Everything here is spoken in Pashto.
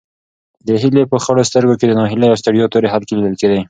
د هیلې په خړو سترګو کې د ناهیلۍ او ستړیا تورې حلقې لیدل کېدې.